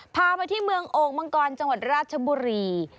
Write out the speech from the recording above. พาไปที่เมืองโอ่งมังกรจังหวัดราชบุรี